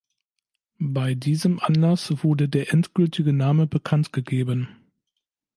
Bei diesem Anlass wurde der endgültige Name bekanntgegeben.